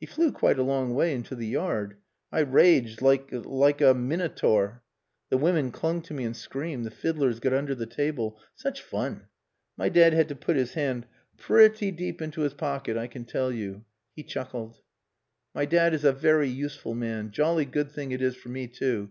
He flew quite a long way into the yard. I raged like like a minotaur. The women clung to me and screamed, the fiddlers got under the table.... Such fun! My dad had to put his hand pretty deep into his pocket, I can tell you." He chuckled. "My dad is a very useful man. Jolly good thing it is for me, too.